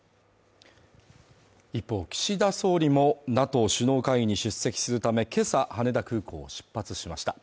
一方、岸田総理もＮＡＴＯ首脳会議に出席するため今朝、羽田空港を出発しました。